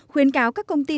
khuyến cáo các công ty